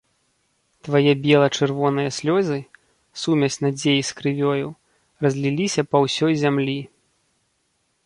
Твае бела-чырвоныя слёзы — сумясь надзеі з крывёю — разліліся па ўсёй зямлі!